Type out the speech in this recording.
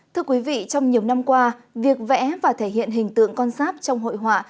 thưa quý vị trong nhiều năm qua việc vẽ và thể hiện hình tượng con sáp trong hội họa